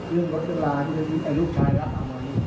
เรื่องรถโดยสารที่จะมีในลูกชายแล้ว